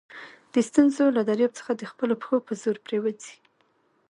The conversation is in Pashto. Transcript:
د ستونزي له دریاب څخه د خپلو پښو په زور پورېوځئ!